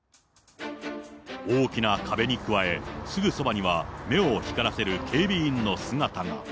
大きな壁に加え、すぐそばには目を光らせる警備員の姿が。